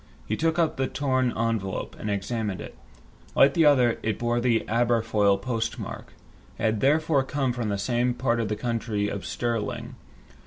He took up the torn envelope, and examined it. Like the other, it bore the Aberfoyle postmark. It had therefore come from the same part of the county of Stirling.